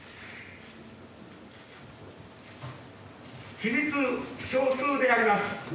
起立少数であります。